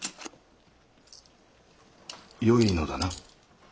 よいのだな？